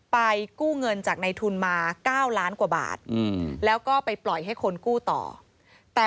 กู้เงินจากในทุนมา๙ล้านกว่าบาทแล้วก็ไปปล่อยให้คนกู้ต่อแต่